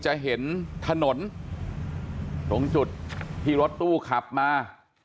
จะเห็นถนนตรงจุดที่รถตู้ขับมา